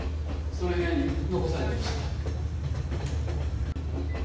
その部屋に残されてました。